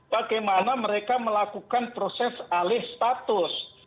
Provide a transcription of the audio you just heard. bagaimana mereka melakukan proses alih status